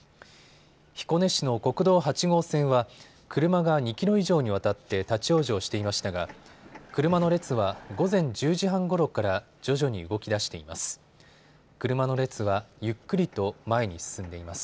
彦根市の国道８号線は車が２キロ以上にわたって立往生していましたが車の列は午前１０時半ごろから徐々に動きだしています。